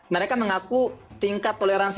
mereka mengaku tingkat toleransi